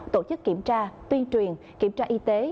tổ chức kiểm tra tuyên truyền kiểm tra y tế